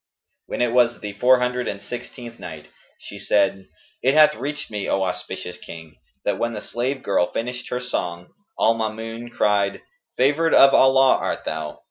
When it was the Four Hundred and Sixteenth Night, She said, It hath reached me, O auspicious King, that when the slave girl finished her song, al Maamun cried, "Favoured of Allah art thou!